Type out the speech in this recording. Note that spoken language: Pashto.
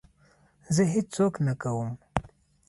زه هېڅ څوک نه کوم.